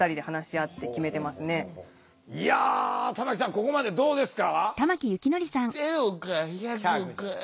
ここまでどうですか？